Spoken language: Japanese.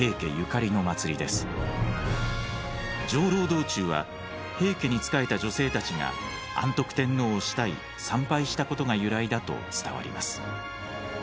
道中は平家に仕えた女性たちが安徳天皇を慕い参拝したことが由来だと伝わります。